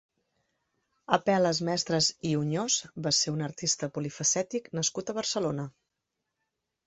Apel·les Mestres i Oñós va ser un artista polifacètic nascut a Barcelona.